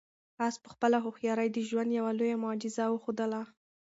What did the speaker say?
آس په خپله هوښیارۍ د ژوند یوه لویه معجزه وښودله.